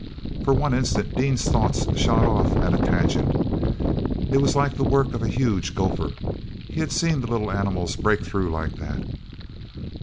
For one instant Dean's thoughts shot off at a tangent. It was like the work of a huge gopher—he had seen the little animals break through like that.